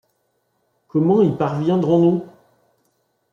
Comment y parviendrons-nous ?